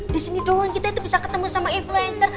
disini doang kita bisa ketemu sama influencer